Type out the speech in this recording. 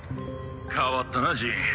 変わったなジーン。